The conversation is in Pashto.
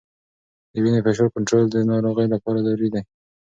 د وینې فشار کنټرول د ناروغ لپاره ضروري دی.